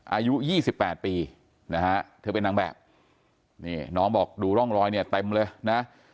อายุ๒๘ปีนะฮะเธอเป็นนางแบบนี่น้องบอกดูร่องรอยเนี่ยเต็มเลยนะ